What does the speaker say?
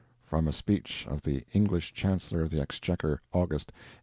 [From a Speech of the English Chancellor of the Exchequer, August, 1879.